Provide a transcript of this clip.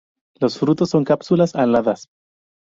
Los frutos son cápsulas aladas.